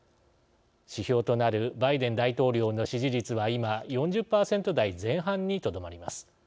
指標となるバイデン大統領の支持率は今、４０％台前半にとどまります。